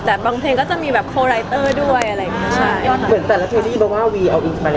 แต่บางเพลงก็จะมีซ่อนตัวด้วย